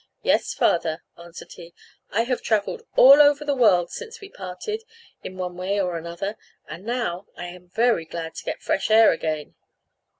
"Yes, father," answered he, "I have travelled all over the world, since we parted, in one way or other; and now I am very glad to get fresh air again."